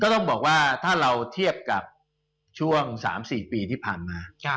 ต้องบอกว่าถ้าเราเทียบกับช่วง๓๔ปีที่ผ่านมา